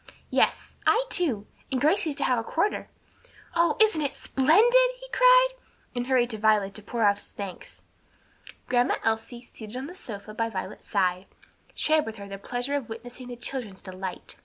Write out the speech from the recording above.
"Yes; I too; and Gracie's to have a quarter." "Oh, isn't it splendid!" he cried, and hurried to Violet to pour out his thanks. Grandma Elsie, seated on the sofa by Violet's side, shared with her the pleasure of witnessing the children's delight.